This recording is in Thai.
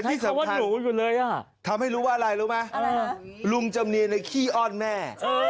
ที่สำคัญทำให้รู้ว่าอะไรรู้ไหมลุงจำเนียนขี้อ้อนแม่